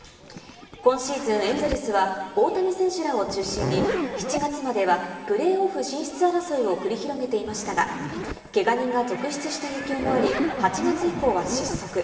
今シーズン、エンゼルスは大谷選手らを中心に７月まではプレーオフ進出争いを繰り広げていましたが、けが人が続出した影響もあり、８月以降は失速。